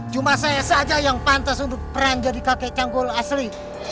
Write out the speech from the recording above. cuma saya saja yang pantas untuk peran jadi kakek canggul asli